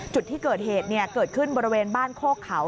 จุดที่เกิดเหตุเกิดขึ้นบริเวณบ้านโคกเขา